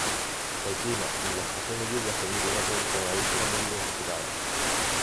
El clima y la escasez de lluvias permite una producción agrícola muy diversificada.